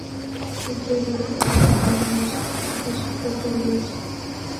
Esto era lo que se llamaba en los cabildos "fruto grueso".